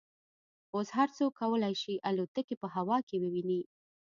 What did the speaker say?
اوس هر څوک کولای شي الوتکې په هوا کې وویني